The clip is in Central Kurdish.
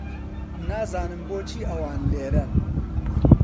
نازانم بۆچی ئەوان لێرەن.